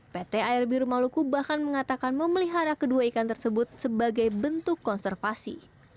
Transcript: pt air biru maluku bahkan mengatakan memelihara kedua ikan tersebut sebagai bentuk konservasi